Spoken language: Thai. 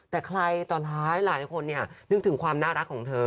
แต่ใครต่อร้ายหลายคนนึกถึงความน่ารักของเธอ